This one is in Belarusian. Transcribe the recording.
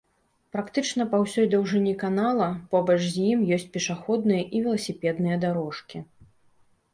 Практычна па ўсёй даўжыні канала побач з ім ёсць пешаходныя і веласіпедныя дарожкі.